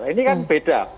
ini kan beda